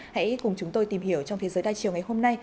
hãy cùng chúng tôi tìm hiểu trong thế giới đa chiều ngày hôm nay